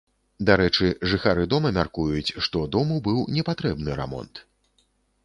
Дарэчы, жыхары дома мяркуюць, што дому быў непатрэбны рамонт.